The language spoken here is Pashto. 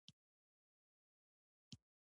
سیکه مشران له سخت خطر سره مخامخ دي.